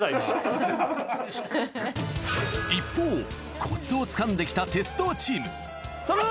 一方コツをつかんできた鉄道チーム。